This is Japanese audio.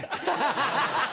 ハハハ！